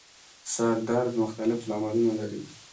سر درد مختلف لاملونه لري